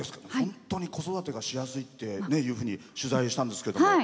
本当に子育てがしやすいって取材したんですけども。